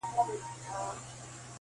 د ورور و غاړي ته چاړه دي کړمه-